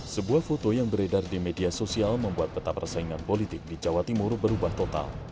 sebuah foto yang beredar di media sosial membuat peta persaingan politik di jawa timur berubah total